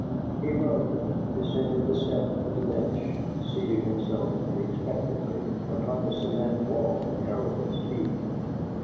He rose, descended the steps to the bench, and seated himself unexpectedly upon the cement walk at Ariel's feet.